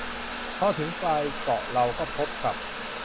พอถึงปลายเกาะเราก็พบกับ